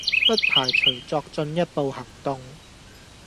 不排除作進一步行動